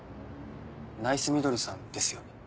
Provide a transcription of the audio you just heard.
ナイスミドルさんですよね？